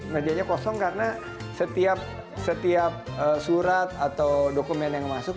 mejanya kosong karena setiap surat atau dokumen yang masuk